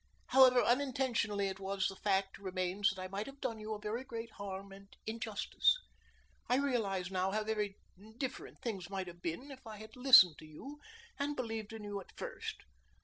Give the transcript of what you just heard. However unintentionally it was the fact remains that I might have done you a very great harm and injustice. I realize now how very different things might have been if I had listened to you and believed in you at first.